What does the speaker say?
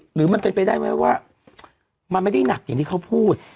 หรือมันเป็นไปได้ไหมว่ามันไม่ได้หนักอย่างที่เขาพูด